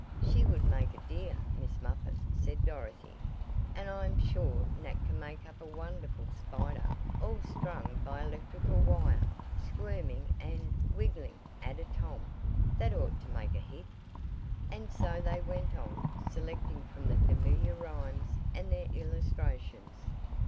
"She would make a dear 'Miss Muffet,'" said Dorothy, "and I'm sure Nat can make up a wonderful spider all strung by electrical wire, squirming and " "Wiggling," added Tom. "That ought to make a hit." And so they went on, selecting from the familiar rhymes and their illustrations.